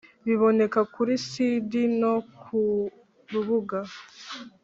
Biboneka kuri cd no ku rubuga